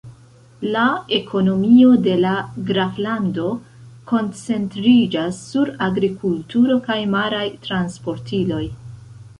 La ekonomio de la graflando koncentriĝas sur agrikulturo kaj maraj transportiloj.